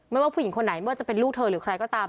ว่าผู้หญิงคนไหนไม่ว่าจะเป็นลูกเธอหรือใครก็ตาม